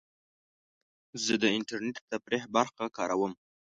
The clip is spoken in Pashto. زه د انټرنیټ د تفریح برخه کاروم.